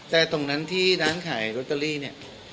แต่ตรงนั้นที่ร้านขายโรตเตอรี่เนี่ย